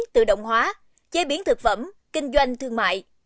tự động hóa chế biến thực phẩm kinh doanh thương mại